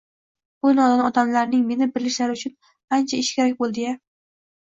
Bu nodon odamlarning meni bilishlari uchun ancha ish kerak bo‘ldi-ya